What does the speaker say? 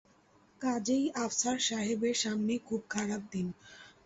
কাজেই আফসার সাহেবের সামনে খুব খারাপ দিন।